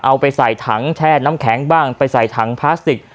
เอาไปใส่ถังแช่น้ำแข็งบ้างไปใส่ถังพลาสติก